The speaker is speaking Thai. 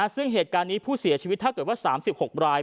ซึ่งเหตุการณ์นี้ผู้เสียชีวิตถ้าเกิดว่า๓๖ราย